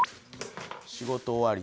仕事終わり。